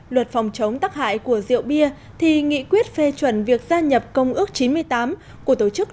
luật phòng chống tắc hại của rượu bia thì nghị quyết phê chuẩn việc gia nhập công ước chín mươi tám của tổ chức